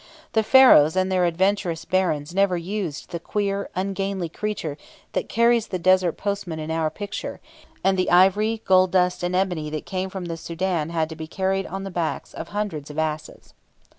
The Pharaohs and their adventurous barons never used the queer, ungainly creature that carries the desert postman in our picture (Plate 12), and the ivory, gold dust, and ebony that came from the Soudan had to be carried on the backs of hundreds of asses.